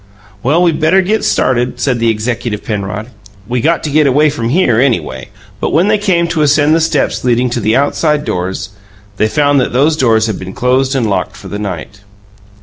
"Well, we better get started," said the executive Penrod. "We got to get away from here, anyway." But when they came to ascend the steps leading to the "outside doors", they found that those doors had been closed and locked for the night.